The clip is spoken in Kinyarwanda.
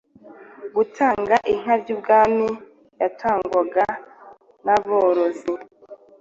Gutanga inka y'ibwami yatangwaga n'aborozi